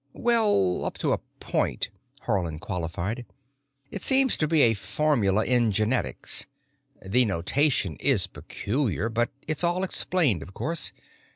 "Well, up to a point," Haarland qualified. "It seems to be a formula in genetics. The notation is peculiar, but it's all explained, of course.